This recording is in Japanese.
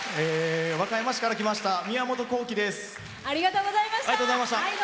和歌山市から来ましたみやもとです。